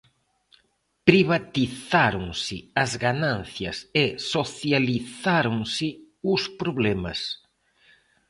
Privatizáronse as ganancias e socializáronse os problemas.